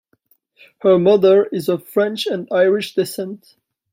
Her mother is of French and Irish descent.